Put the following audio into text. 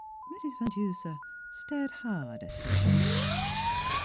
Mrs. Van Denser stared hard at her guest.